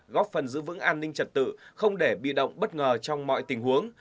góp phần giữ vững an ninh trật tự không để bị động bất ngờ trong mọi tình huống